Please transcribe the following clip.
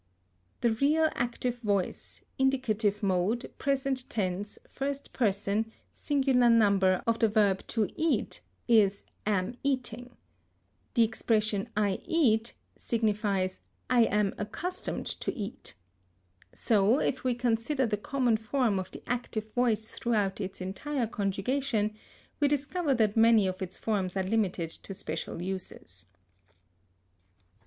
The real active voice, indicative mode, present tense, first person, singular number, of the verb to eat, is am eating. The expression I eat, signifies I am accustomed to eat. So, if we consider the common form of the active voice throughout its entire conjugation, we discover that many of its forms are limited to special uses.